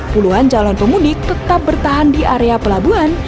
puluhan calon pemudik tetap bertahan di area pelabuhan